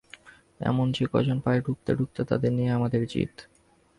এমন যে-কজনকে পাই ডুবতে ডুবতে তাদের নিয়েই আমাদের জিত।